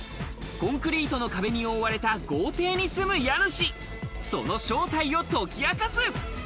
コンクリートの壁に覆われた豪邸に住む家主、その正体を解き明かす！